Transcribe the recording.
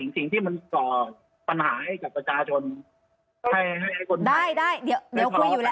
สิ่งที่มันต่อปัญหาให้กับตัวชาวชน